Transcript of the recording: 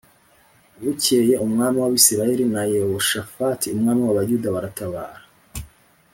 Bukeye umwami w’Abisirayeli na Yehoshafati umwami w’Abayuda baratabara